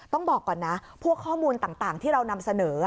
ต้องบอกก่อนนะพวกข้อมูลต่างที่เรานำเสนอ